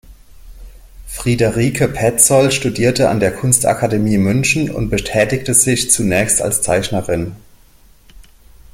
Friederike Pezold studierte an der Kunstakademie München und betätigte sich zunächst als Zeichnerin.